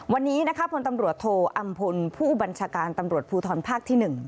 วันนี้นะคะพลตำรวจโทอำพลผู้บัญชาการตำรวจภูทรภาคที่๑